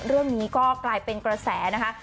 เรื่องนี้ก็กลายเป็นกระแสนะคะ